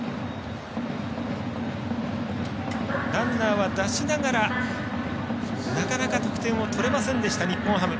ランナーは出しながらなかなか得点を取れませんでした日本ハム。